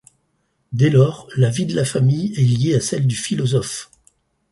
Dès lors la vie de la famille est liée à celle du philosophe.